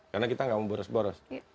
karena kita nggak mau boros boros